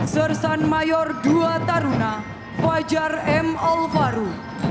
sersan mayor dua taruna fajar m alvaro